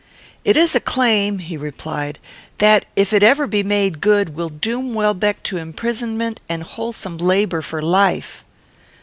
"It is a claim," he replied, "that, if it ever be made good, will doom Welbeck to imprisonment and wholesome labour for life."